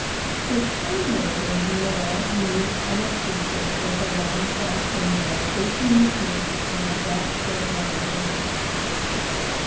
Her chamber was narrow, neat, unobtrusive, with a long sash window, facing the East on the back court yard of the house.